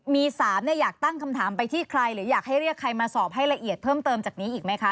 มี๓อยากตั้งคำถามไปที่ใครหรืออยากให้เรียกใครมาสอบให้ละเอียดเพิ่มเติมจากนี้อีกไหมคะ